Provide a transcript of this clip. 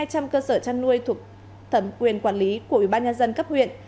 hai trăm linh cơ sở chăn nuôi thuộc thẩm quyền quản lý của ủy ban nhân dân cấp huyện